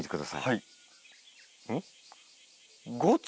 はい。